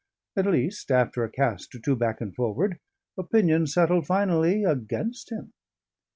At least, after a cast or two back and forward, opinion settled finally against him.